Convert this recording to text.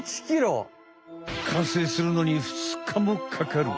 完成するのに２日もかかる。